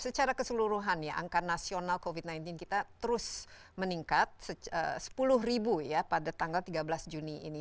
secara keseluruhan ya angka nasional covid sembilan belas kita terus meningkat sepuluh ribu ya pada tanggal tiga belas juni ini